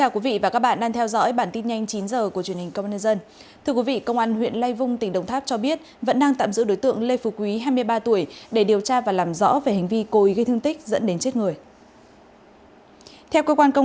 các bạn hãy đăng ký kênh để ủng hộ kênh của chúng mình nhé